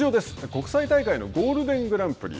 国際大会のゴールデングランプリ。